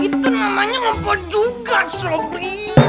itu namanya ngompol juga sobi